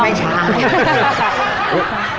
ไม่ใช่